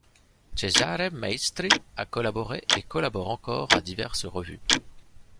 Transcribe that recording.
Cesare Maestri a collaboré et collabore encore à diverses revues.